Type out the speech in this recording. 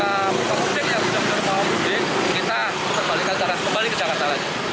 kalau memang ada pemudik yang sudah mau berhubung kita kembali ke jakarta